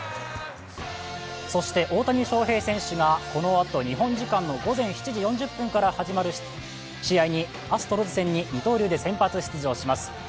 大谷翔平選手がこのあと日本時間午前７時４０分から始まる試合にアストロズ戦に二刀流で先発出場します。